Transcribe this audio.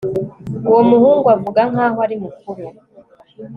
Uwo muhungu avuga nkaho ari mukuru